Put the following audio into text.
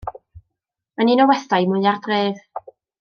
Mae'n un o westai mwya'r dref.